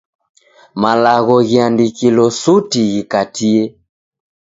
Malagho ghiandikilo suti ghikatie